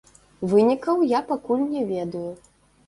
Вынікаў я пакуль не ведаю.